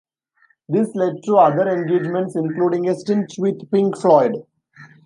This led to other engagements including a stint with Pink Floyd.